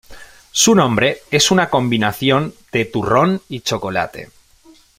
Su nombre es una combinación de turrón y chocolate.